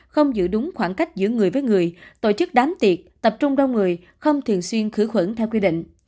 không giữ đúng khoảng cách giữa người với người tổ chức đám tiệc tập trung đông người không thường xuyên khử khuẩn theo quy định